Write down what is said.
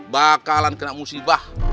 bakalan kena musibah